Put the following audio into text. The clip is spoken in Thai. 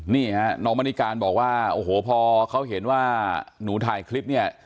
นี่ฮะน้องมณิการบอกว่าโอ้โหพอเขาเห็นว่าหนูถ่ายคลิปเนี่ย